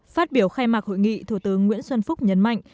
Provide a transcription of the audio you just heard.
phát biểu khai mạc hội nghị thủ tướng nguyễn xuân phúc nhấn mạnh